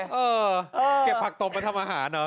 เออเก็บผักตสมัยทำอาหาร